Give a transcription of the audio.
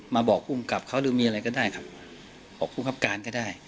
มาบอกผู้กอบกราบเขานึกมีอะไรก็ได้ครับถูกรับการ